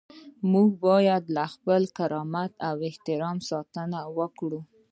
موږ باید له خپل کرامت او احترام ساتنه وکړو.